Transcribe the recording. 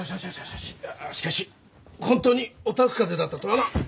いやしかし本当におたふくかぜだったとはな。